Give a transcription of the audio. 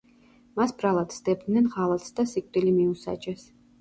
მას ბრალად სდებდნენ ღალატს და სიკვდილი მიუსაჯეს.